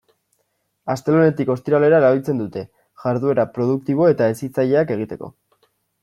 Astelehenetik ostiralera erabiltzen dute, jarduera produktibo eta hezitzaileak egiteko.